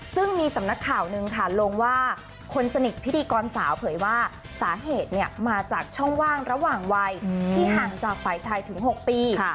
ซึ่งมีสำนักข่าวหนึ่งค่ะลงว่าคนสนิทพิธีกรสาวเผยว่าสาเหตุมาจากช่องว่างระหว่างวัยที่ห่างจากฝ่ายชายถึง๖ปี